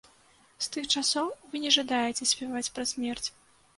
З тых часоў вы не жадаеце спяваць пра смерць.